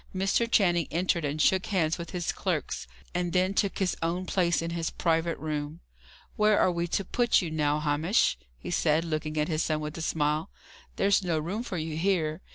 Mr. Channing entered and shook hands with his clerks, and then took his own place in his private room. "Where are we to put you, now, Hamish?" he said, looking at his son with a smile. "There's no room for you here.